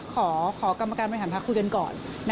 ขอกรรมการบัญหังภาคคุยกันก่อน